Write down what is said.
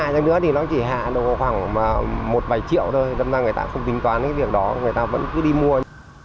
trong năm nữa thì nó chỉ hạ được khoảng một bảy triệu thôi nên người ta không tính toán cái việc đó người ta vẫn cứ đi mua